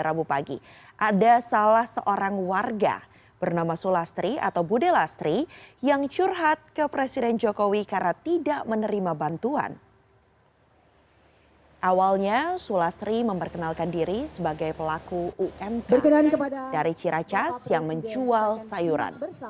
awalnya sulastri memperkenalkan diri sebagai pelaku umk dari ciracas yang menjual sayuran